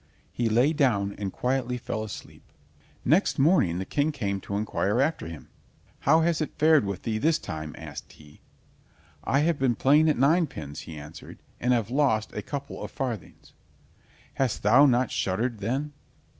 He lay down and quietly fell asleep. Next morning the King came to inquire after him. "How has it fared with thee this time?" asked he. "I have been playing at ninepins," he answered, "and have lost a couple of farthings." "Hast thou not shuddered then?"